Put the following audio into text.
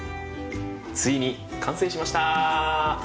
ついに完成しました！